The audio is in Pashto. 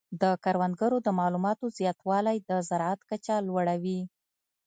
د کروندګرو د معلوماتو زیاتوالی د زراعت کچه لوړه وي.